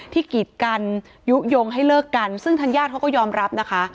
กีดกันยุโยงให้เลิกกันซึ่งทางญาติเขาก็ยอมรับนะคะ